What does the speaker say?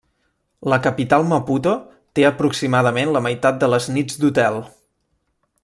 La capital Maputo té aproximadament la meitat de les nits d'hotel.